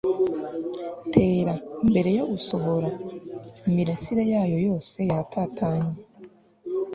tera, mbere yo gusohora, imirasire yayo yose yatatanye